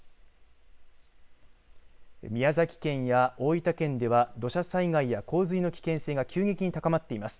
宮崎県や大分県では土砂災害や洪水の危険性が急激に高まっています。